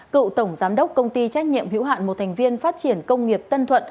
cựu tổng giám đốc công ty trách nhiệm hữu hạn một thành viên phát triển công nghiệp tân thuận